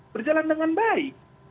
berjalan dengan baik